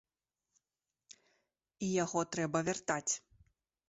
І яго трэба вяртаць.